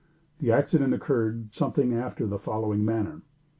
The accident occurred something after the following manner.